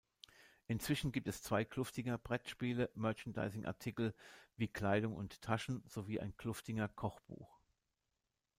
Inzwischen gibt es zwei Kluftinger-Brettspiele, Merchandising-Artikel wie Kleidung und Taschen sowie ein Kluftinger-Kochbuch.